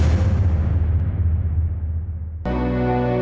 apa kita perlu